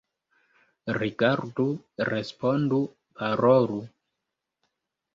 Rigardu, respondu, parolu!